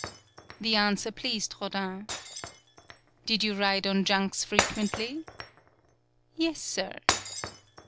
The answer pleased Rodin. "Did you ride on junks frequently?" "Yes, sir."